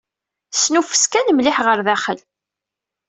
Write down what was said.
Snuffes kan mliḥ ɣer daxel.